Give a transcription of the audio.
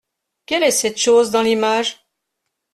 Quel est cette chose dans l’image ?